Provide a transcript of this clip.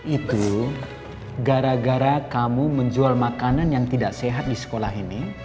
itu gara gara kamu menjual makanan yang tidak sehat di sekolah ini